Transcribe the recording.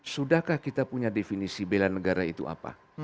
sudahkah kita punya definisi bela negara itu apa